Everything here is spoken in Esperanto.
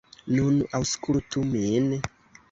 Nun aŭskultu min.